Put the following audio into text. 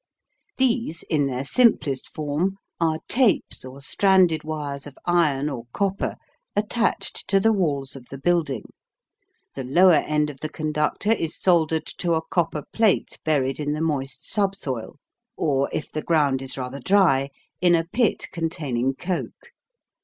These, in their simplest form, are tapes or stranded wires of iron or copper attached to the walls of the building. The lower end of the conductor is soldered to a copper plate buried in the moist subsoil, or, if the ground is rather dry, in a pit containing coke.